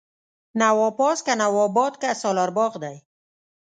نواپاس، که نواباد که سالار باغ دی